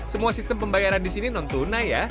semua sistem pembayaran di sini non tunai ya